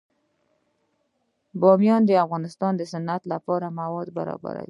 بامیان د افغانستان د صنعت لپاره مواد برابروي.